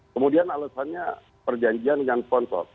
kemudian alesannya perjanjian dengan sponsor